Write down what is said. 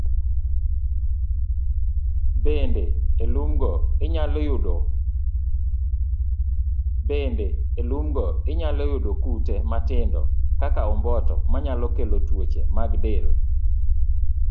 Bende, e lumgo, inyalo yudo kute matindo kaka omboto, manyalo kelo tuoche mag del.